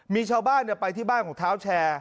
มีชาวบ้านเนี่ยไปที่บ้านของท้าวแชร์